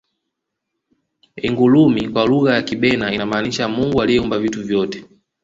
ingulumi kwa lugha ya kibena inamaanisha mungu aliyeumba vitu vyote